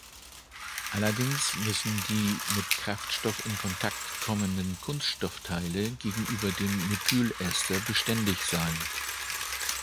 Allerdings müssen die mit Kraftstoff in Kontakt kommenden Kunststoffteile gegenüber dem Methylester beständig sein.